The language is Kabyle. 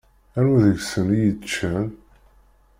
Anwa deg-sen i yeččan?